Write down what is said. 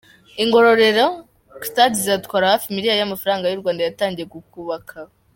I Ngororero; stade izatwara hafi miliyari y’amafaranga y’u Rwanda yatangiye kubakwa.